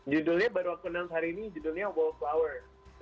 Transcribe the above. judulnya baru aku kenal hari ini judulnya wallflower